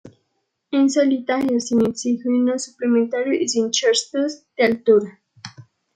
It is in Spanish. En solitario, sin oxígeno suplementario y sin Sherpas de altura.